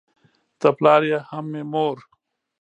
ته پلار یې هم مې مور